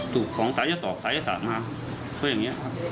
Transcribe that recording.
ถูกของสายศาสตร์มาช่วยอย่างนี้ครับ